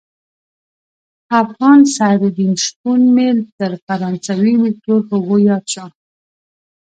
افغان سعدالدین شپون مې تر فرانسوي ویکتور هوګو ياد شو.